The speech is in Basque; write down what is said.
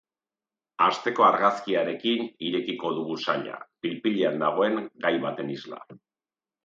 Asteko argazkiarekin irekiko dugu saila, pil-pilean dagoen gai baten isla.